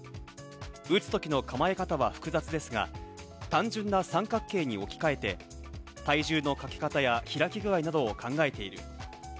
打つときの構え方は複雑ですが、単純な三角形に置き換えて、体重のかけ方や開き具合などを考えている。